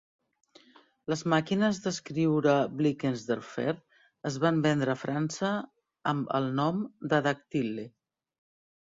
Les màquines d'escriure Blickensderfer es van vendre a França amb el nom de Dactyle.